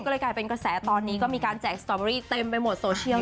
ก็เลยกลายเป็นกระแสตอนนี้ก็มีการแจกสตอเบอรี่เต็มไปหมดโซเชียล